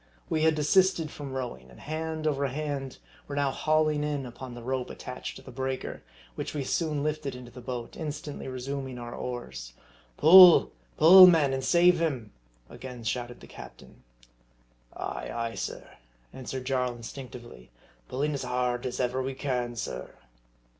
We had desisted from rowing, and hand over hand were now hauling in upon the rope attached to the breaker, which we soon lifted into the boat, instantly resuming our oars. " Pull ! pull, men ! and save him !" again shouted the captain. " Ay, ay, sir," answered Jarl instinctively, " pulling as hard as ever we can, sir."